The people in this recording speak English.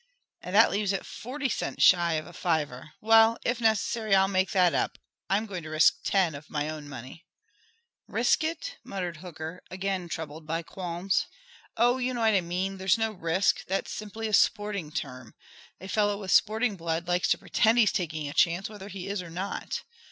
"And that leaves it forty cents shy of a fiver. Well, if necessary, I'll make that up. I'm going to risk ten of my own money." "Risk it?" muttered Hooker, again troubled by qualms. "Oh, you know what I mean. There's no risk; that's simply a sporting term. A fellow with sporting blood likes to pretend he's taking a chance, whether he is or not.